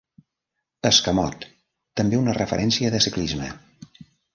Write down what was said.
"Escamot", també una referència de ciclisme.